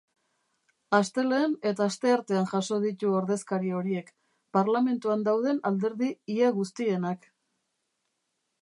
Astelehen eta asteartean jaso ditu ordezkari horiek, parlamentuan dauden alderdi ia guztienak.